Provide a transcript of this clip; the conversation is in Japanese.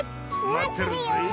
まってるよ！